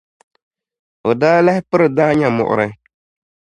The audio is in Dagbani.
o daa lan piri daanya muɣiri.